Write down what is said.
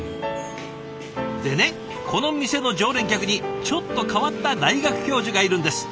でねこの店の常連客にちょっと変わった大学教授がいるんです。